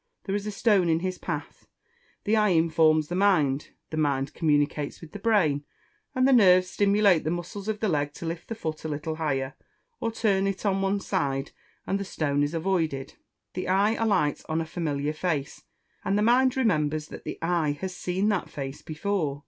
There is a stone in his path, the eye informs the mind, the mind communicates with the brain, and the nerves stimulate the muscles of the leg to lift the foot a little higher, or turn it on one side, and the stone is avoided. The eye alights on a familiar face, and the mind remembers that the eye has seen that face before.